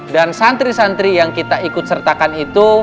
dan santri santri yang kita ikut sertakan itu